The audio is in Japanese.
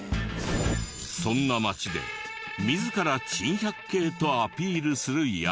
そんな街で自ら珍百景とアピールする宿。